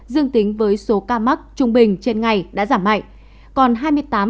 dương tính với số ca mắc trung bình trên ngày đã giảm mạnh còn hai mươi tám ba ca một ngày